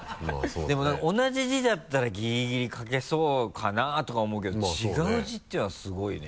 でも同じ字だったらギリギリ書けそうかなとか思うけど違う字っていうのはすごいね。